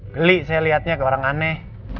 geli saya liatnya ke orang aneh